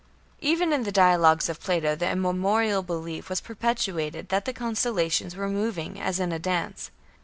Even in the dialogues of Plato the immemorial belief was perpetuated that the constellations were "moving as in a dance".